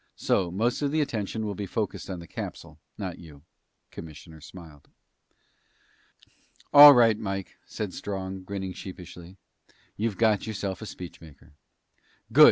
So, most of the attention will be focused on the capsule, not you." The commissioner smiled. "All right, Mike," said Strong, grinning sheepishly. "You've got yourself a speechmaker!" "Good!"